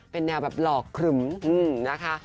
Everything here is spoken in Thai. เป็นแนวแบบหลอกครึมนะคะ